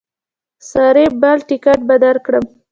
ساري بل ټکټ به درکړم.